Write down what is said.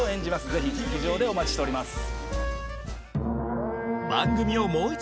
ぜひ劇場でお待ちしております